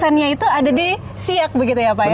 lima puluh lima nya itu ada di siak begitu ya pak ya